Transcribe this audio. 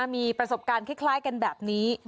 มีประสบการณ์คล้ายกันแบบนี้